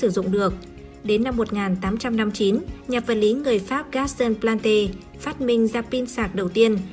đến năm một nghìn tám trăm năm mươi chín nhà vật lý người pháp gaston plante phát minh ra pin sạc đầu tiên